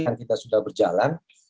yang kita sudah berjalan